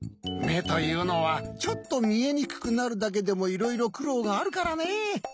めというのはちょっとみえにくくなるだけでもいろいろくろうがあるからね。